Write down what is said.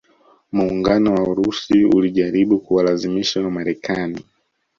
Muungano wa Urusi ulijaribu kuwalazimisha Wamarekani